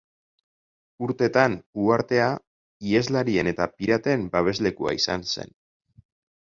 Urtetan uhartea iheslarien eta piraten babeslekua izan zen.